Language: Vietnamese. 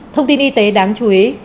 thông tin y tế đáng chú ý